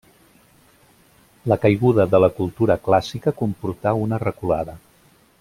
La caiguda de la cultura clàssica comportà una reculada.